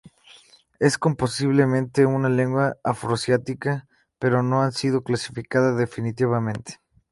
Es con posiblemente una lengua afroasiática, pero no ha sido clasificada definitivamente.